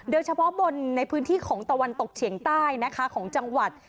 โดยเฉพาะบนในพื้นที่ของตะวันตกเฉียงใต้นะคะของจังหวัด